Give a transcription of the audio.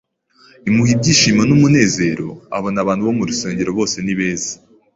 imuha ibyishimo n’umunezero abona abantu bo mu rusengero bose ni beza,